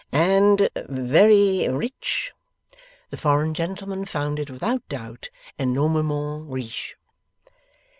'And Very Rich?' The foreign gentleman found it, without doubt, enormement riche.